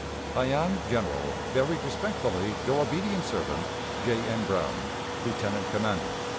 "I am, General, very respectfully, your obedient servant, "J. N. BROWN, "_Lieutenant commanding.